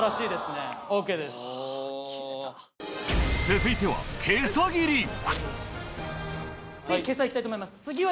続いては袈裟行きたいと思います。